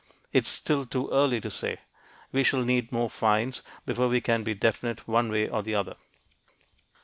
It is still too early to say. We shall need more finds before we can be definite one way or the other.